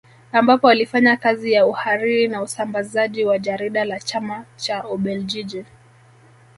Ambapo alifanya kazi ya uhariri na usambazaji wa jarida la Chama cha Ubeljiji